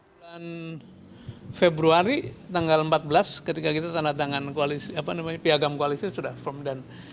bulan februari tanggal empat belas ketika kita tanda tangan piagam koalisi sudah firm